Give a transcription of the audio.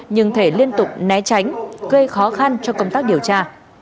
nhưng thể liên tục né tránh gây khó khăn cho công tác điều tra